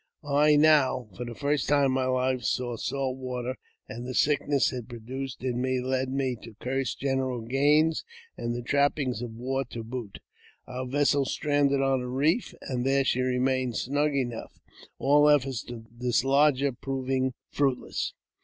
I now, for the first time in my life, saw salt water, and the sickness it produced I in me led me to curse General Gaines, and the trappings of war to boot. Our vessel stranded on a reef, and there she remained snug enough, all efforts to dislodge her proving fruit less.